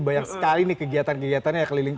banyak sekali nih kegiatan kegiatan yang keliling